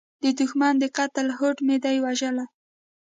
د دوښمن د قتل هوډ مې دی وژلی